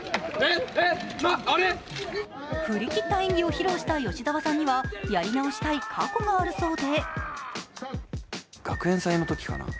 振り切った演技を披露した吉沢さんにはやり直したい過去があるそうで。